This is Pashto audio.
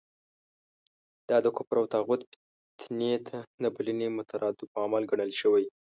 دا د کفر او طاغوت فتنې ته د بلنې مترادف عمل ګڼل شوی.